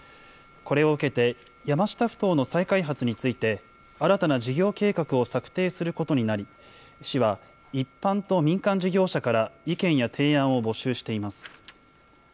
これを受けて山下ふ頭の再開発について、新たな事業計画を策定することになり、市は一般と民間事業者から意見や提案を募集しています。